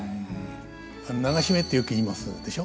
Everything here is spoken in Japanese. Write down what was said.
「流し目」ってよく言いますでしょ。